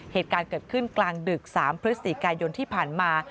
เหตุการณ์เกิดขึ้นกลางดึก๓พฤศจิกายนที่ผ่านมา